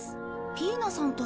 ピイナさんと。